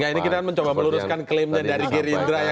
ini kita mencoba meluruskan klaimnya dari gerindra